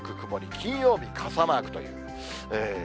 金、土、傘マークという。